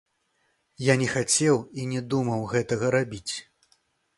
Я не хацеў і не думаў гэтага рабіць.